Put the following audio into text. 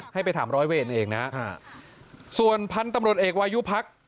ให้ไปถามร้อยเวรเองนะส่วนพันธุ์ตำรวจเอกวายุพัก